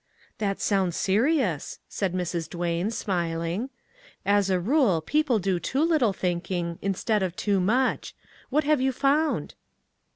" That sounds serious," said Mrs. Duane, smiling. " As a rule, people do too little think ing, instead of too much. What have you found?"